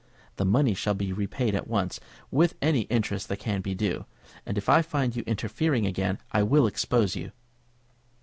The money shall be repaid at once, with any interest that can be due; and if I find you interfering again, I will expose you."